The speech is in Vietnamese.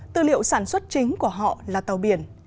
tư liệu sản xuất chính của họ là tàu biển